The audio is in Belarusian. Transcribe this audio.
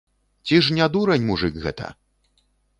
Ці ж не дурань мужык гэта?